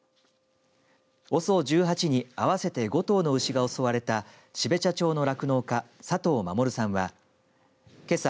ＯＳＯ１８に合わせて５頭の牛が襲われた標茶町の酪農家、佐藤守さんはけさ